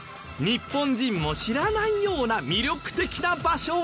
日本人も知らないような魅力的な場所を教えてくれた。